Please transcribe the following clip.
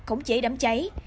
khống chế đám cháy